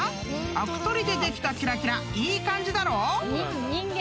あく取りでできたキラキラいい感じだろ？］